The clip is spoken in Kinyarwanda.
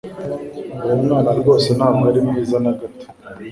Uwo mwana rwose ntabwo ari mwiza na gato